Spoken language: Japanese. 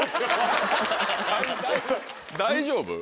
大丈夫？